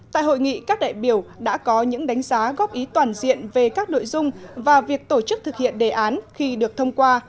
tại hội nghị các đại biểu đã có những đánh giá góp ý toàn diện về các nội dung và việc tổ chức thực hiện đề án khi được thông qua